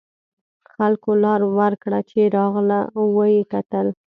خلکو لار ورکړه چې راغله و یې کتل.